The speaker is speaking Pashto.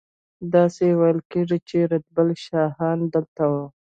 داسې ویل کیږي چې رتبیل شاهان دلته وو